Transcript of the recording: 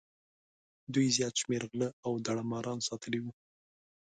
دوی زیات شمېر غله او داړه ماران ساتلي وو.